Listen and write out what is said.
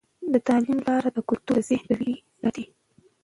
د تعلیم لاره د کلتور ذخیره کوي او ساتي.